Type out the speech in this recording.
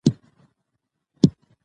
که فراغت وي نو هیله نه مري.